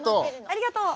ありがとう。